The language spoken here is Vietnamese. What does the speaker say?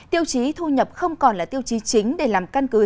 tiêu chí thu nhập không còn là tiêu chí chính để làm căn cứ